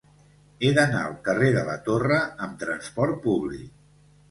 He d'anar al carrer de la Torre amb trasport públic.